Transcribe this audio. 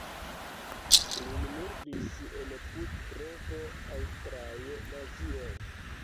Lin murdis en puĉ-provo aŭstraj nazioj.